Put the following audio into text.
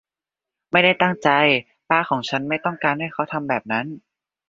ไม่ได้ตั้งใจ ป้าของฉันไม่ต้องการให้เขาทำแบบนั้น